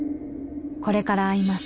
「これから会います」